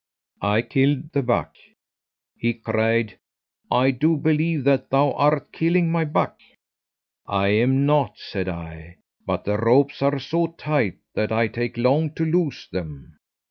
I killed the buck. He cried, 'I do believe that thou art killing my buck.' "'I am not,' said I, 'but the ropes are so tight that I take long to loose them.'